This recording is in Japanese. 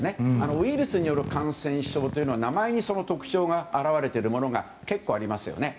ウイルスによる感染症って名前に特徴が表れていることが結構ありますよね。